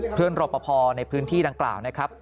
เพื่อนรบพอในพื้นที่ดังกล่าวนะครับ